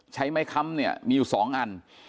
ใช้ไม้คล้ำนี่มีอยู่สองอัน